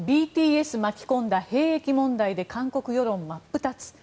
ＢＴＳ巻き込んだ兵役問題で韓国世論真っ二つ。